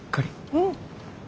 うん。